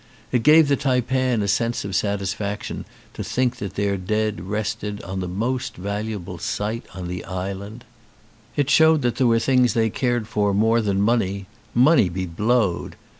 It gave the taipan a sense of satisfaction to think that their dead rested on the most valuable site on the island. It showed that there were things they cared for more than money. Money be blowed